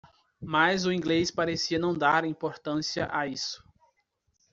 Mas o inglês parecia não dar importância a isso.